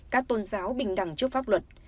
các tôn giáo bình đẳng trước pháp luật